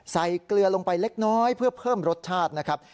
เกลือลงไปเล็กน้อยเพื่อเพิ่มรสชาตินะครับ